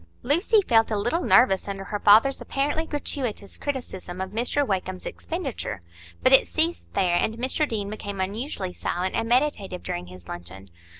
Lucy felt a little nervous under her father's apparently gratuitous criticism of Mr Wakem's expenditure. But it ceased there, and Mr Deane became unusually silent and meditative during his luncheon.